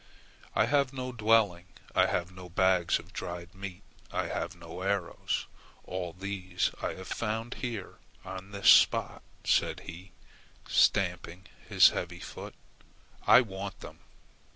"I have no dwelling. I have no bags of dried meat. I have no arrows. All these I have found here on this spot," said he, stamping his heavy foot. "I want them!